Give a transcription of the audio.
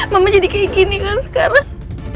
mama jadi kayak gini kan sekarang